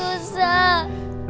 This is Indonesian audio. dulu kita susah